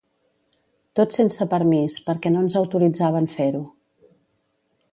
Tot sense permís, perquè no ens autoritzaven fer-ho.